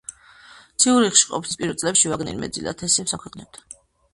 ციურიხში ყოფნის პირველ წლებში ვაგნერი მეტწილად ესეებს აქვეყნებდა.